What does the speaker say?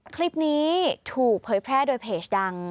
คลิปนี้ถูกเผยแพร่โดยเพจดัง